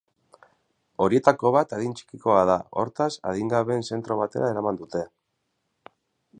Horietako bat adin txikikoa da, hortaz, adingabeen zentro batera eraman dute.